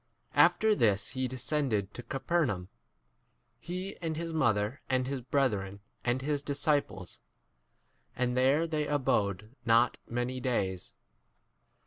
After this he descended to Capernaum, he and his mother and his brethren and his disciples ; and there they abode not many days.